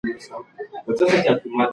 مازدیګر د چای څښل کم کړئ.